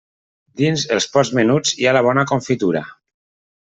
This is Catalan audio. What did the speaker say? Dins els pots menuts hi ha la bona confitura.